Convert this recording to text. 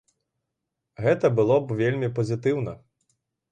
Гэта было б вельмі пазітыўна.